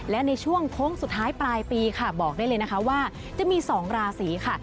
และในช่วงโค้งสุดท้ายปลายปีค่ะบอกได้เลยนะคะว่าจะมี๒ราศีค่ะ